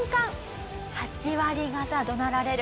８割方怒鳴られる。